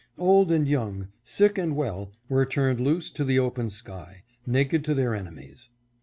Old and young, sick and well, were turned loose to the open sky, naked to their enemies.